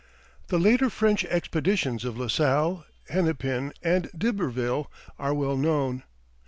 The later French expeditions of La Salle, Hennepin, and D'Iberville are well known.